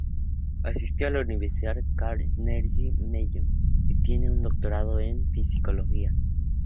Asistió a la Universidad Carnegie Mellon y tiene un Doctorado en Psicología.